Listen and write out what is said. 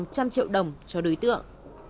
một trăm linh triệu đồng cho đối tượng